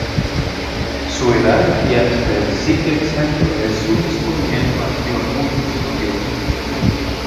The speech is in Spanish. Su edad y hasta el sitio exacto de su descubrimiento han sido muy discutidos.